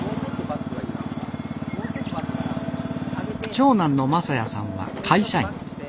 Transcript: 長男の昌哉さんは会社員。